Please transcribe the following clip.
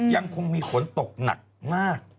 ยังคงมีฝนตกหนักมาก